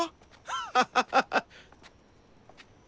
ハハハハッ。